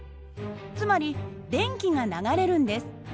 つまり電気が流れるんです。